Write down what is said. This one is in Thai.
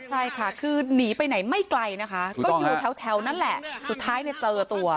ใช่ค่ะคือหนีไปไหนไม่ไกลนะคะก็อยู่แถวนั่นแหละสุดท้ายเนี่ยเจอตัว